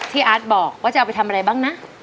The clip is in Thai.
อาร์ตบอกว่าจะเอาไปทำอะไรบ้างนะ